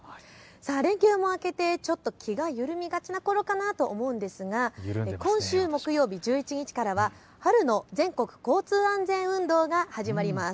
連休も明けてちょっと気が緩みがちなころかなと思うんですが今週木曜日１１日からは春の全国交通安全運動が始まります。